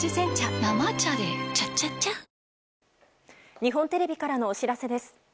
日本テレビからのお知らせです。